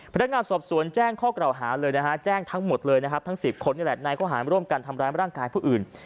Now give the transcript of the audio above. พนักงานสอบสวนแจ้งข้อกล่าวหาเลยนะฮะแจ้งทั้งหมดเลยนะครับทั้ง๑๐คนนี่แหละในข้อหารร่วมกันทำร้ายร่างกายผู้อื่น